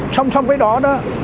song song với đó đó thì